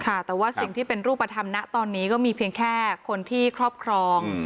ค่ะแต่ว่าสิ่งที่เป็นรูปธรรมนะตอนนี้ก็มีเพียงแค่คนที่ครอบครอง